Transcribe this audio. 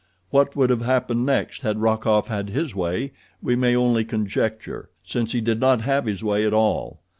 What would have happened next had Rokoff had his way we may only conjecture, since he did not have his way at all.